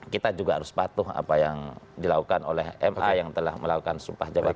kita juga harus patuh apa yang dilakukan oleh ma yang telah melakukan sumpah jabatan